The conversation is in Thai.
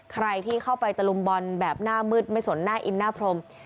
ใครที่เข้าไปตะลุมบอลแบบหน้ามืดไม่สนหน้าอินหน้าพรม